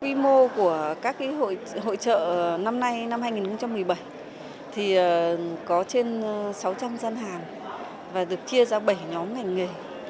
quy mô của các hội trợ năm nay năm hai nghìn một mươi bảy có trên sáu trăm linh gian hàng và được chia ra bảy nhóm ngành nghề